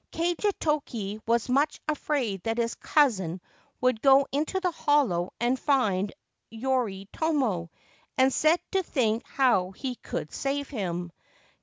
Kagetoki was much afraid that his cousin would go into the hollow and find Yoritomo, and set to think how he could save him.